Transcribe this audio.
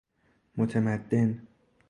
متمدن